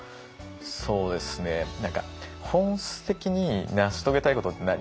そうですね何か本質的に成し遂げたいことって何？